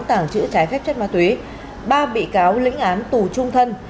tảng chữ trái phép chất ma túy ba bị cáo lĩnh án tù trung thân